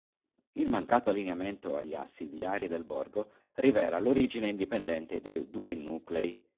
Il mancato allineamento agli assi viari del borgo rivela l'origine indipendente dei due nuclei.